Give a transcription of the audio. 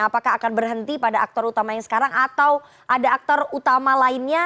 apakah akan berhenti pada aktor utama yang sekarang atau ada aktor utama lainnya